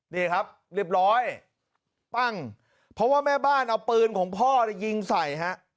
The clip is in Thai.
นี่ครับเรียบร้อยปั้งเพราะว่าแม่บ้านเอาปืนของพ่อยิงใส่ฮะ